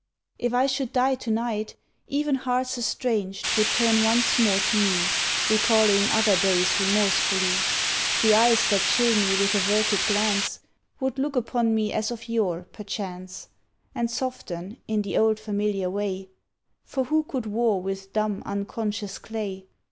If I should die to night, Even hearts estranged would turn once more to me, Recalling other days remorsefully; The eyes that chill me with averted glance Would look upon me as of yore, perchance, And soften, in the old familiar way; For who could war with dumb, unconscious clay?